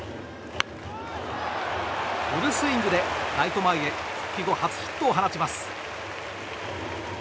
フルスイングでライト前へ復帰後、初ヒットを放ちます。